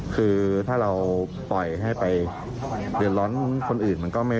คือถ้าเราปล่อยให้ไปเดี๋ยวร้อนคนอื่น